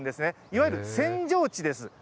いわゆる扇状地です。